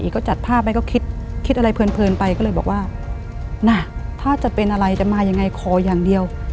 ก็เลยบอกว่าน่ะถ้าจะเป็นอะไรจะมายังไงขออย่างเดียว